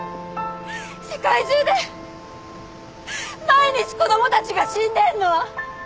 世界中で毎日子供たちが死んでるの！